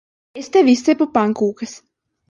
Es tev izcepu pankūkas.